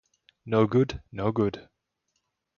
No good, no good.